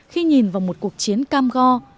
khi nhìn vào một cuộc chiến cam go